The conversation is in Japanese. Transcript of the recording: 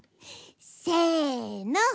せの！